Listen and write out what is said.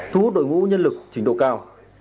thu hút đội ngũ nhân lực trình độ cao